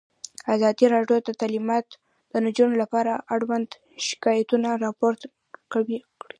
ازادي راډیو د تعلیمات د نجونو لپاره اړوند شکایتونه راپور کړي.